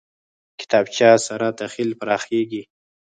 کتابچه سره تخیل پراخېږي